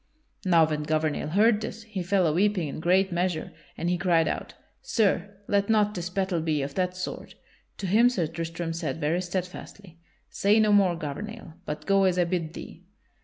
Now when Gouvernail heard this, he fell a weeping in great measure; and he cried out: "Sir, let not this battle be of that sort!" To him Sir Tristram said very steadfastly: "Say no more, Gouvernail, but go as I bid thee."